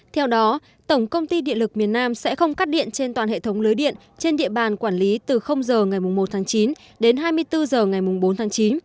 theo đó tổng công ty điện lực miền nam sẽ không cắt điện trên toàn hệ thống lưới điện trên địa bàn quản lý từ h ngày một tháng chín đến hai mươi bốn h ngày bốn tháng chín